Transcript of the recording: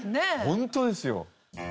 ホントですよ。